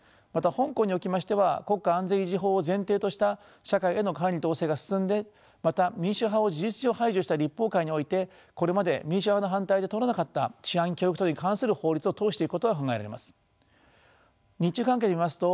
また香港におきましては国家安全維持法を前提とした社会への管理統制が進んでまた民主派を事実上排除した立法会においてこれまで民主派の反対で通らなかった治安教育等に関する法律を通していくことが考えられます。